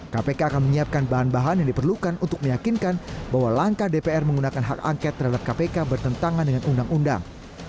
kpk akan menyiapkan bahan bahan yang diperlukan untuk meyakinkan bahwa langkah dpr menggunakan hak angket terhadap kpk bertentangan dengan undang undang